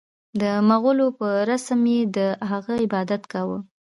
د مغولو په رسم یې د هغه عبادت کاوه.